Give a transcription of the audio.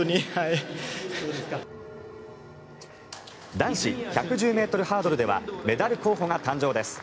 男子１１０ｍハードルではメダル候補が誕生です。